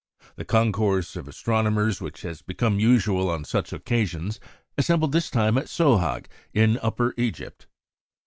The concourse of astronomers which has become usual on such occasions assembled this time at Sohag, in Upper Egypt.